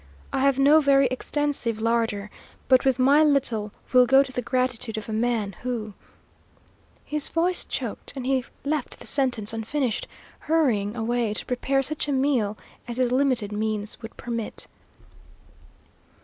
I have no very extensive larder, but with my little will go the gratitude of a man who " His voice choked, and he left the sentence unfinished, hurrying away to prepare such a meal as his limited means would permit.